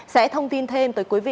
sẽ thông tin thêm tới quý vị